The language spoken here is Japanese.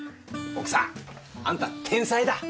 奥さんあんた天才だ！